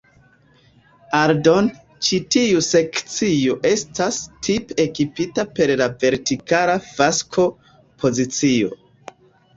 Aldone, ĉi tiu sekcio estas tipe ekipita per la vertikala fasko pozicio.